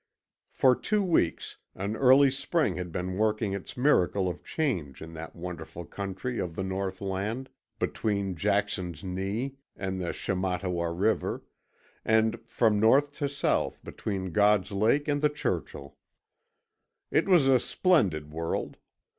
For two weeks an early spring had been working its miracle of change in that wonderful country of the northland between Jackson's Knee and the Shamattawa River, and from north to south between God's Lake and the Churchill. It was a splendid world.